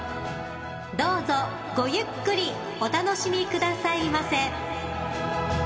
［どうぞごゆっくりお楽しみくださいませ］